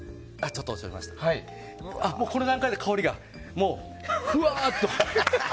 この段階で香りがフワーっと！